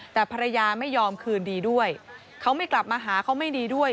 แต่ภรรยาไม่ยอมคืนดีด้วยเขาไม่กลับมาหาเขาไม่ดีด้วย